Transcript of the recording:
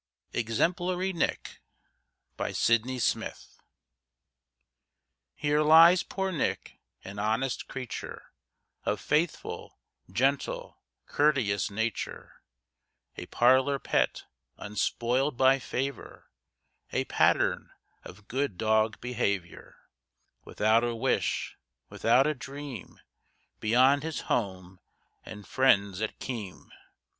EXEMPLARY NICK Here lies poor Nick, an honest creature, Of faithful, gentle, courteous nature; A parlor pet unspoiled by favor, A pattern of good dog behavior, Without a wish, without a dream, Beyond his home and friends at Cheam.